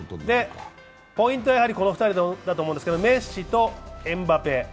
ポイントはやはりこの２人だと思うんですけど、メッシとエムバペ。